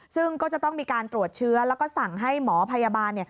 ซึ่งก็จะต้องมีการตรวจเชื้อแล้วก็สั่งให้หมอพยาบาล